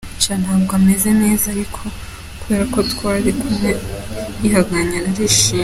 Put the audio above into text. Sha ntabwo ameze neza ariko kubera ko twari kumwe yihanganye arishima.